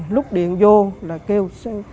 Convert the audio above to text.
lúc điện vô là kêu